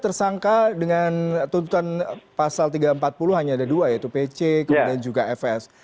tersangka dengan tuntutan pasal tiga ratus empat puluh hanya ada dua yaitu pc kemudian juga fs